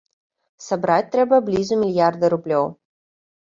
Сабраць трэба блізу мільярда рублёў.